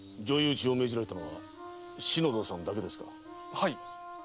はい。